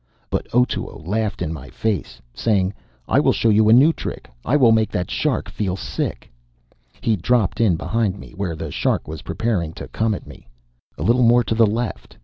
But Otoo laughed in my face, saying: "I will show you a new trick. I will make that shark feel sick!" He dropped in behind me, where the shark was preparing to come at me. "A little more to the left!"